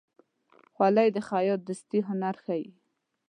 خولۍ د خیاط دستي هنر ښيي.